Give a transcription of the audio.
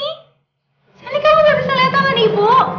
selly kamu tidak bisa melihat tangan ibu